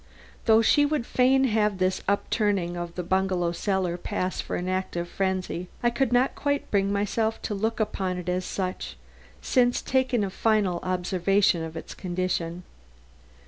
Though she would fain have this upturning of the bungalow cellar pass for an act of frenzy, I could not quite bring myself to look upon it as such since taking a final observation of its condition.